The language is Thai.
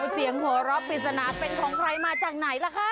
เสียงหัวเราะปริศนาเป็นของใครมาจากไหนล่ะคะ